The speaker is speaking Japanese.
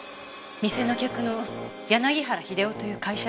店の客の柳原秀夫という会社員です。